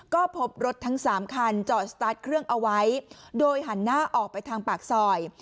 ก็พบรถทั้ง๓คันจอดสตาร์ทเครื่องเอาไว้โดยหันหน้าออกไปทางปากซอย